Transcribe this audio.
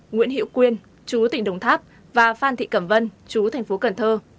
nguyễn hiệu quyên chú tỉnh đồng tháp và phan thị cẩm vân chú thành phố cần thơ